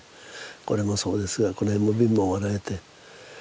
これもそうですがこの辺の瓶も割られて。